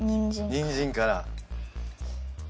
にんじんから。